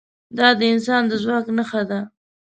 دا د انسان د ځواک نښه ده.